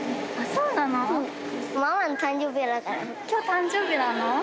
今日誕生日なの？